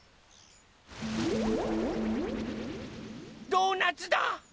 ドーナツだ！